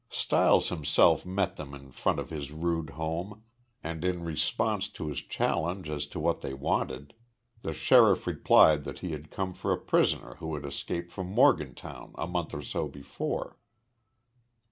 Stiles himself met them in front of his rude home and, in response to his challenge as to what they wanted, the sheriff replied that he had come for a prisoner who had escaped from Morgantown a month or so before.